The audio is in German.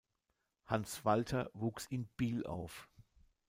Hans Walter wuchs in Biel auf.